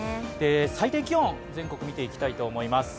最低気温、全国見ていきたいと思います。